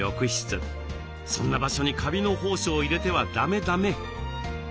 そんな場所にカビの胞子を入れてはだめだめ。